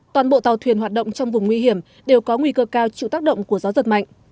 toàn bộ tàu thuyền hoạt động trong vùng nguy hiểm đều có nguy cơ cao chịu tác động của gió giật mạnh